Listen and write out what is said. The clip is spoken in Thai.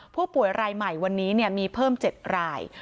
ผู้ป่วยรายใหม่วันนี้มีเพิ่ม๗ราย